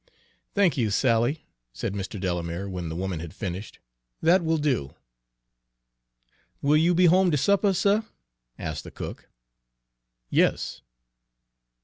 "Thank you, Sally," said Mr. Delamere, when the woman had finished, "that will do." "Will you be home ter suppah, suh?" asked the cook. "Yes."